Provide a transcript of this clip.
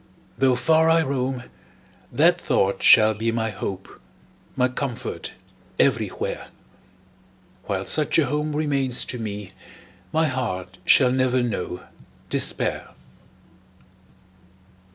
Though far I roam, that thought shall be My hope, my comfort, everywhere; While such a home remains to me, My heart shall never know despair!